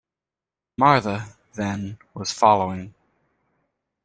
Marthe, then, was following.